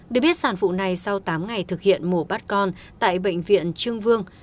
được biết sản phụ này sau tám ngày thực hiện mổ bắt con tại bệnh viện trương vương